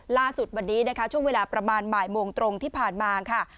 ล่าสุดวันนี้นะคะช่วงเวลาประมาณบ่ายโมงตรงที่ผ่านมาค่ะ